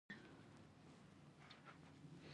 يوه يې د موټر بېټرۍ په لاس کې نيولې وه